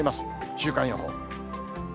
週間予報。